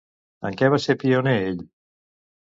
En què va ser pioner ell?